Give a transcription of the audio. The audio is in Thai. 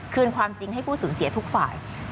คืนความจริงให้ผู้สูญเสียทุกฝ่าย